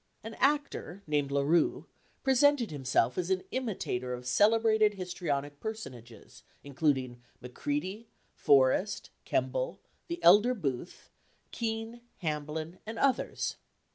An actor, named La Rue, presented himself as an imitator of celebrated histrionic personages, including Macready, Forrest, Kemble, the elder Booth, Kean, Hamblin, and others.